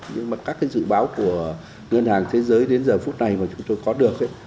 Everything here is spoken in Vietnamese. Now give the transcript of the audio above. nhưng mà các cái dự báo của ngân hàng thế giới đến giờ phút này mà chúng tôi có được